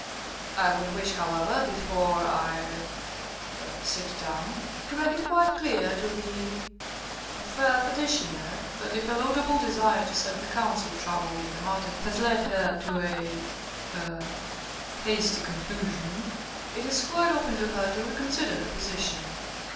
I would wish, however, before I er sit down, to make it quite clear to the er fair petitioner, that if a laudable desire to save the Council trouble in the matter has led her to a er hasty conclusion, it is quite open to her to reconsider her position.